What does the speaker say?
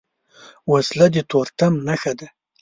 وسله د تورتم نښه ده